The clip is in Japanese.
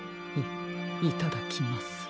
いいただきます。